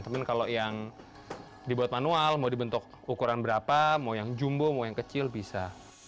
tapi kalau yang dibuat manual mau dibentuk ukuran berapa mau yang jumbo mau yang kecil bisa